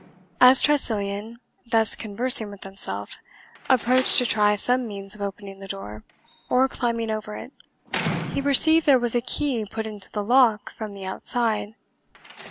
As Tressilian, thus conversing with himself, approached to try some means of opening the door, or climbing over it, he perceived there was a key put into the lock from the outside.